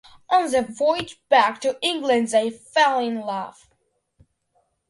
On the voyage back to England, they fall in love.